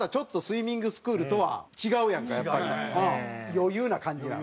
余裕な感じなの？